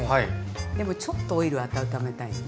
でもちょっとオイルは温めたいよね。